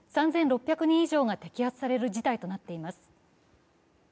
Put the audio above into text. ３６００人以上が摘発される事態となっています。